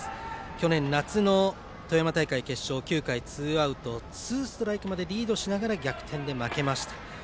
去年夏の富山大会決勝９回ツーアウトツーストライクまでリードしながら逆転で負けました。